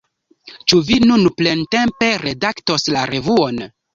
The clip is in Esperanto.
Ĉu vi nun plentempe redaktos la revuon?